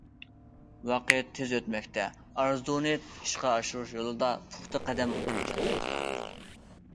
ۋاقىت تېز ئۆتمەكتە، ئارزۇنى ئىشقا ئاشۇرۇش يولىدا پۇختا قەدەم تاشلانماقتا.